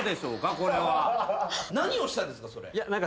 これは。何をしたんですか？